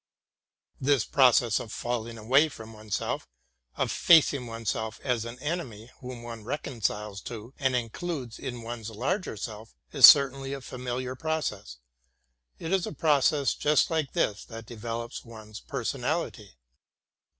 This process of falling away from oneself, of facing one self as an enemy whom one reconciles to and includes in one's larger self, is certainly a familiar process. It is a process just like this that develops one's personality.